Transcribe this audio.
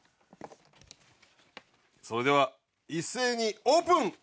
それでは一斉にオープン！